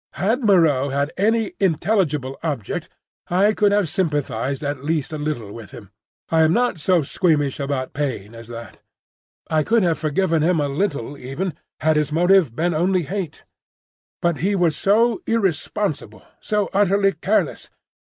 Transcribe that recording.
Had Moreau had any intelligible object, I could have sympathised at least a little with him. I am not so squeamish about pain as that. I could have forgiven him a little even, had his motive been only hate. But he was so irresponsible, so utterly careless!